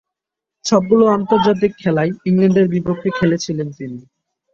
সবগুলো আন্তর্জাতিক খেলাই ইংল্যান্ডের বিপক্ষে খেলেছিলেন তিনি।